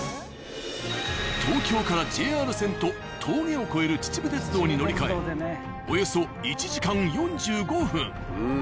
東京からＪＲ線と峠を越える秩父鉄道に乗り換えおよそ１時間４５分。